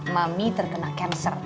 mami terkena cancer